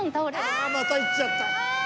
ああまたいっちゃった。